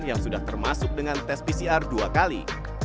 yang sudah termasuk dengan tes pcr dua kali